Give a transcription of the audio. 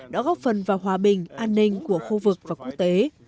đã góp phần vào hòa bình an ninh của khu vực và quốc tế